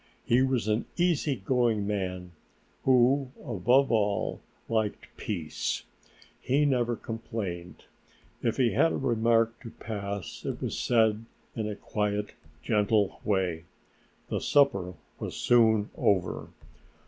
He was an easy going man who, above all, liked peace: He never complained; if he had a remark to pass it was said in a quiet, gentle way. The supper was soon over.